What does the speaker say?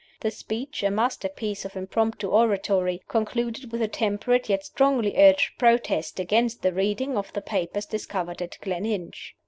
The speech, a masterpiece of impromptu oratory, concluded with a temperate yet strongly urged protest against the reading of the papers discovered at Gleninch.